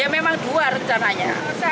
ya memang dua rencananya